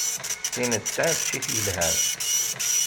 Tin d taneččit yelhan.